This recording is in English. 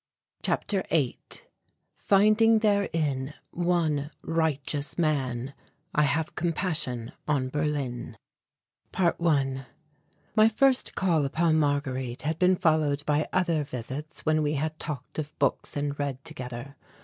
CHAPTER VIII FINDING THEREIN ONE RIGHTEOUS MAN I HAVE COMPASSION ON BERLIN ~1~ My first call upon Marguerite had been followed by other visits when we had talked of books and read together.